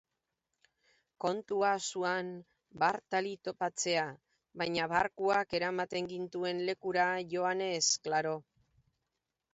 Kontua zuan Bartali topatzea, baina barkuak eramaten gintuen lekura joanez, klaro.